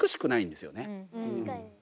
確かに。